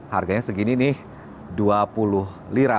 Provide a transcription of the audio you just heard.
harganya segini nih dua puluh lira